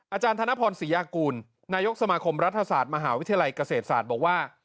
อาจารย์ธนพรศรียากูลนายกสมาคมรัฐศาสตร์มหาวิทยาลัยเกษตรศาสตร์บอกว่า